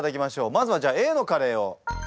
まずはじゃあＡのカレーを。